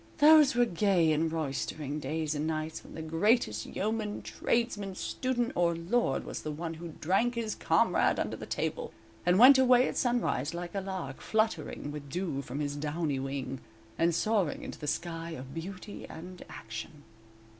Those were gay and roystering days and nights when the greatest yeoman, tradesman, student, or lord, was the one who "drank his comrade under the table" and went away at sunrise like a lark, fluttering with dew from his downy wing, and soaring into the sky of beauty and action.